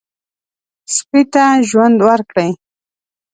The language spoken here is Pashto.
سپي ته ژوند ورکړئ.